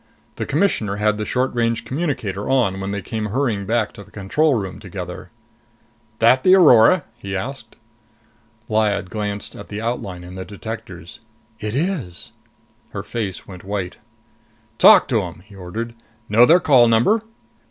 The Commissioner had the short range communicator on when they came hurrying back to the control room together. "That the Aurora?" he asked. Lyad glanced at the outline in the detectors. "It is!" Her face went white. "Talk to 'em," he ordered. "Know their call number?"